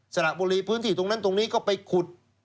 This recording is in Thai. สระบุรีพื้นที่ตรงนั้นตรงนี้ก็ไปขุด